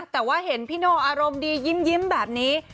แต่ว่าเห็นพี่โน่อารมณ์ดียิ้มแบบนี้